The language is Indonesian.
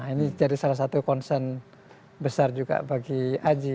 ini jadi salah satu concern besar juga bagi aji